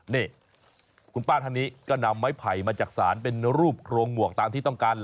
นี่คุณป้าท่านนี้ก็นำไม้ไผ่มาจากศาลเป็นรูปโครงหมวกตามที่ต้องการ